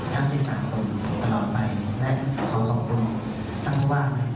ทั้งสินสารคุณตลอดไปและขอขอบคุณท่านผู้ว่าง